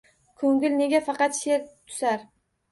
Koʼngil nega faqat sheʼr tusar…